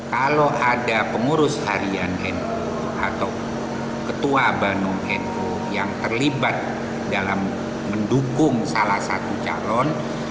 kalau ada pengurus harian nu atau ketua bandung nu yang terlibat dalam mendukung salah satu calon